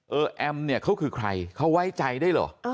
แอมเนี่ยเขาคือใครเขาไว้ใจได้เหรอ